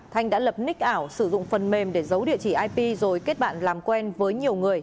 thanh đã lập nick ảo sử dụng phần mềm để giấu địa chỉ ip rồi kết bạn làm quen với nhiều người